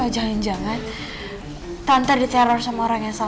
atau jangan jangan tante diteror sama orang yang sama ya